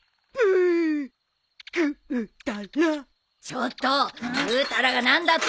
・ちょっとぐうたらが何だって？